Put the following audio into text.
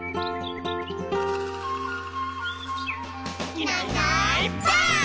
「いないいないばあっ！」